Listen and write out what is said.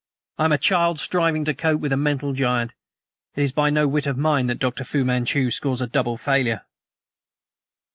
I am a child striving to cope with a mental giant. It is by no wit of mine that Dr. Fu Manchu scores a double failure."